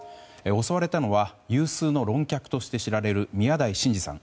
襲われたのは有数の論客として知られる宮台真司さん。